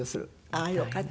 ああよかった。